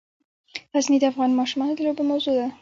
غزني د افغان ماشومانو د لوبو موضوع ده.